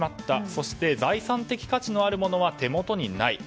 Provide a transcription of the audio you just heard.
そして財産的価値のあるものは手元にない。